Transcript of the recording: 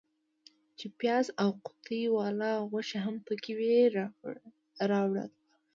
چې پیاز او قوطۍ والا غوښې هم پکې وې راوړل.